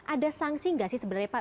ada sanksi nggak sih sebenarnya pak